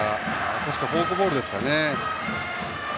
確か、フォークボールですかね。